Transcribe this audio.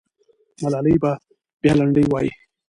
ملالۍ به بیا لنډۍ وایي.